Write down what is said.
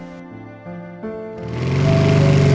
แล้วก็มันก็ไม่ได้มีทุกวันนะครับ